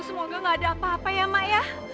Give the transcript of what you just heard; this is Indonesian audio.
semoga gak ada apa apa ya mak ya